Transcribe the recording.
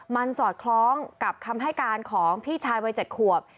มันสอดคล้องกับคำให้การของพี่ชายวัย๗ขวบ